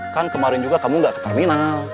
kan kemarin juga kamu nggak ke terminal